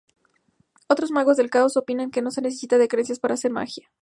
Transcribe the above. Otros magos del caos opinan que no se necesita de "creencia" para hacer magia.